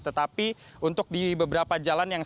tetapi untuk di beberapa jalan yang sedang diangkat